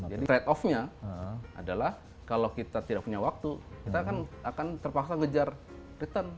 jadi trade off nya adalah kalau kita tidak punya waktu kita akan terpaksa ngejar return